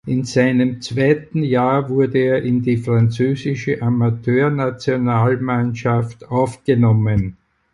In seinem zweiten Jahr wurde er in die französische Amateurnationalmannschaft aufgenommen.